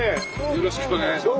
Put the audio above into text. よろしくお願いします。